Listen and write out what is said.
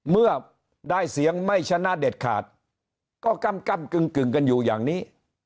เมื่อได้เสียงไม่ชนะเด็ดขาดก็กำกึ่งกันอยู่อย่างนี้